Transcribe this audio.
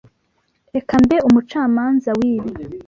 Reka mbe umucamanza wibi